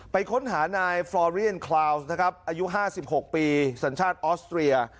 ไปค้นหานายฟรอเรียนคลาวส์นะครับอายุ๕๖ปีสัญชาติออสเตรีย